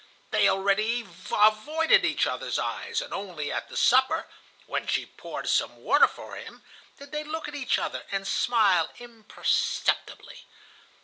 They already avoided each other's eyes, and only at the supper, when she poured some water for him, did they look at each other and smile imperceptibly.